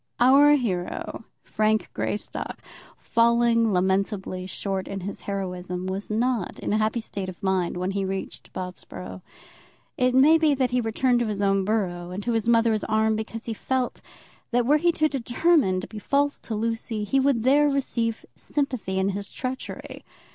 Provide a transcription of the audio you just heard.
Our hero, Frank Greystock, falling lamentably short in his heroism, was not in a happy state of mind when he reached Bobsborough. It may be that he returned to his own borough and to his mother's arms because he felt, that were he to determine to be false to Lucy, he would there receive sympathy in his treachery.